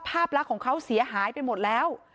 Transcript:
ภาพลักษณ์ของเขาเสียหายไปหมดแล้ว